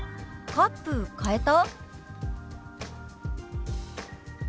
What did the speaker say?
「カップ変えた？」。